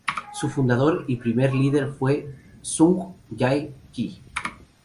Su fundador y primer líder fue Sung Jae-ki.